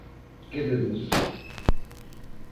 Que deduzo?